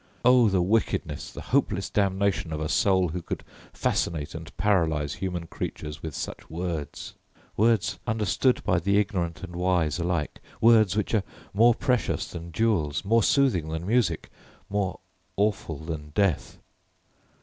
Oh the wickedness, the hopeless damnation of a soul who could fascinate and paralyze human creatures with such words, words understood by the ignorant and wise alike, words which are more precious than jewels, more soothing than music, more awful than death!